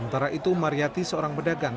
menangani keputusan yang telah dilakukan oleh psbb